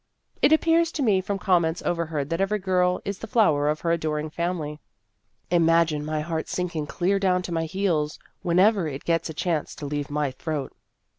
"It appears to me from comments over heard that every girl is the flower of her adoring family. Imagine my heart sink ing clear down to my heels whenever it gets a chance to leave my throat.